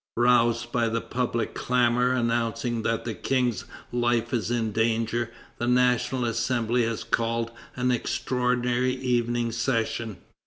Roused by the public clamor announcing that the King's life is in danger, the National Assembly has called an extraordinary evening session.